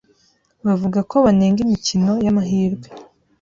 bavuga ko banenga imikino y’amahirwe